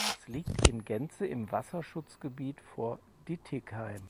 Es liegt in Gänze im Wasserschutzgebiet vor Dittigheim.